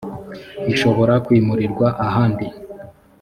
ishobora kwimurirwa ahandi